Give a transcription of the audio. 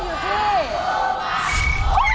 ถูกกว่าถูกกว่าถูกกว่าถูกกว่า